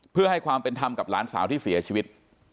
เพื่อให้ความเป็นธรรมกับหลานสาวที่เสียชีวิต